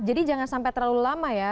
jadi jangan sampai terlalu lama ya